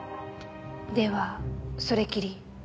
ではそれきり。